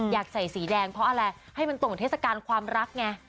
อยากใส่สีแดงเพราะอะไรให้มันตรงกับเทศกาลความรักไง